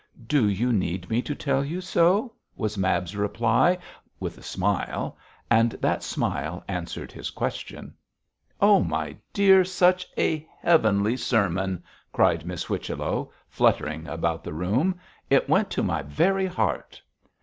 'Do you need me to tell you so?' was Mab's reply, with a smile, and that smile answered his question. 'Oh, my dear, such a heavenly sermon!' cried Miss Whichello, fluttering about the room; 'it went to my very heart.'